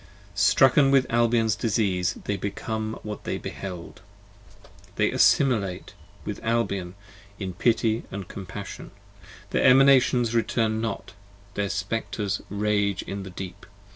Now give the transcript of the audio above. Strucken with Albion's disease they become what they behold: They assimilate with Albion in pity & compassion: Their Emanations return not: their Spectres rage in the Deep.